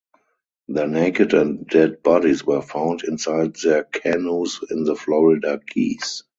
Their naked and dead bodies were found inside their canoes in the Florida Keys.